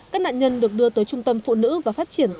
các nạn nhân được đưa tới trung tâm phụ nữ và phát triển